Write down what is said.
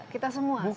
kita semua setiap hari